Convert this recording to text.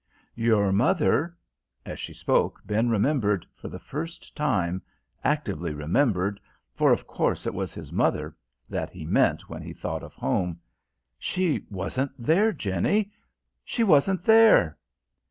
"Your mother." As she spoke Ben remembered, for the first time, actively remembered, for of course it was his mother that he meant when he thought of home. "She wasn't there, Jenny! She wasn't there!"